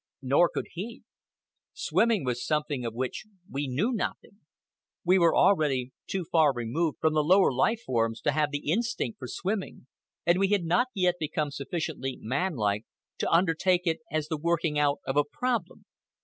Nor could he. Swimming was something of which we knew nothing. We were already too far removed from the lower life forms to have the instinct for swimming, and we had not yet become sufficiently man like to undertake it as the working out of a problem.